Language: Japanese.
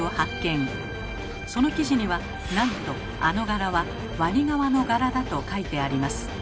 その記事にはなんとあの柄は「ワニ革の柄」だと書いてあります。